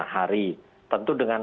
lima hari tentu dengan